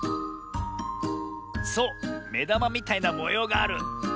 そうめだまみたいなもようがある。